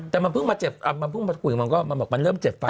แต่มันเพิ่งมาเจ็บมันเริ่มเจ็บฟัง